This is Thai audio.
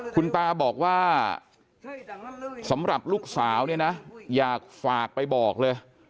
คุณตาบอกว่าสำหรับลูกสาวเนี่ยนะอยากฝากไปบอกเลย